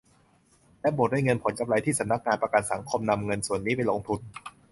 และบวกด้วยเงินผลกำไรที่สำนักงานประกันสังคมนำเงินส่วนนี้ไปลงทุน